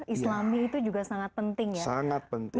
islami itu juga sangat penting ya